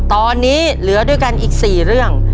ตอนนี้เหลือด้วยกันอีก๔เรื่อง